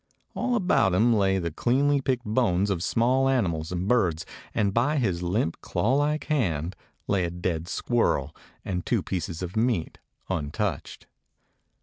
All about him lay the cleanly picked bones of small animals and birds, and by his limp, claw like hand lay a dead squirrel and the two pieces of meat untouched.